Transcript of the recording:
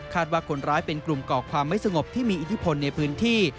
ว่าคนร้ายเป็นกลุ่มก่อความไม่สงบที่มีอิทธิพลในพื้นที่